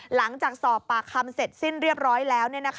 หลังจากสอบปากคำเสร็จสิ้นเรียบร้อยแล้ว